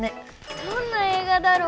どんな映画だろう？